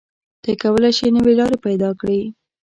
ته کولی شې نوې لارې پیدا کړې.